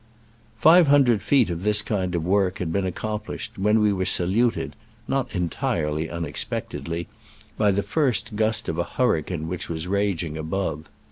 Five hundred feet of this kind of work had been accomplished when we were saluted (not entirely unexpectedly) by the first gust of a hurricane which was ragipg above.